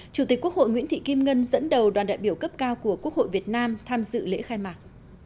chủ tịch quốc hội nguyễn thị kim ngân dẫn đầu đoàn đại biểu cấp cao của quốc hội việt nam tham dự lễ khai mạc